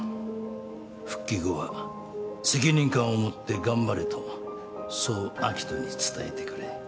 復帰後は責任感を持って頑張れとそう明人に伝えてくれ。